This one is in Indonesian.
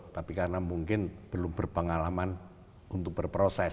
tapi karena mungkin belum berpengalaman untuk berproses